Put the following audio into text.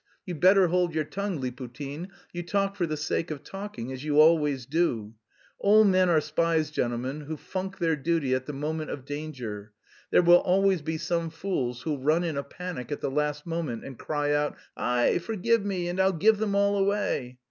You'd better hold your tongue, Liputin; you talk for the sake of talking, as you always do. All men are spies, gentlemen, who funk their duty at the moment of danger. There will always be some fools who'll run in a panic at the last moment and cry out, 'Aie, forgive me, and I'll give them all away!'